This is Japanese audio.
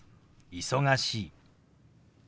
「忙しい」。